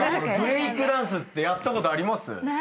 ブレイクダンスってやったことあります？